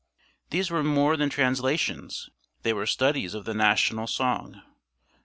These were more than translations: they were studies of the national song.